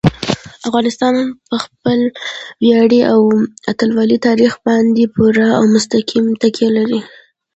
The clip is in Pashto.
افغانستان په خپل ویاړلي او اتلولۍ تاریخ باندې پوره او مستقیمه تکیه لري.